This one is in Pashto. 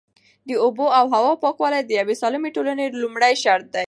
د اوبو او هوا پاکوالی د یوې سالمې ټولنې لومړنی شرط دی.